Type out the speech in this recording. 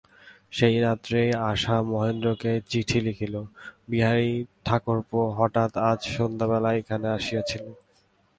সেই রাত্রেই আশা মহেন্দ্রকে চিঠি লিখিল- বিহারী-ঠাকুরপো হঠাৎ আজ সন্ধ্যাবেলা এখানে আসিয়াছিলেন।